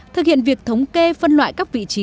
thực hiện việc thống kê phân loại các vị trí